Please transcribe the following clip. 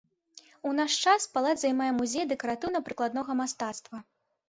У наш час палац займае музей дэкаратыўна-прыкладнога мастацтва.